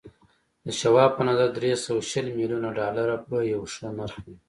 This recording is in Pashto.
د شواب په نظر دري سوه شل ميليونه ډالر به يو ښه نرخ وي.